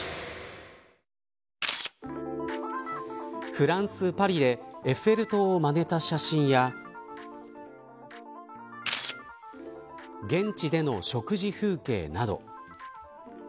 フランス・パリでエッフェル塔をまねた写真や現地での食事風景など。